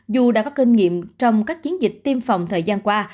dù đã có kinh nghiệm trong các chiến dịch tiêm phòng thời gian qua